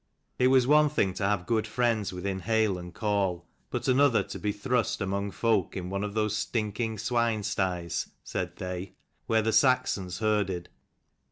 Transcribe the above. It was one thing to have good friends within hail and call, but another to be thrust among folk in one of those stinking swine styes, said they, where the Saxons herded.